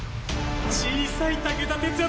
小さい武田鉄矢